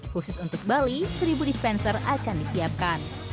khusus untuk bali seribu dispenser akan disiapkan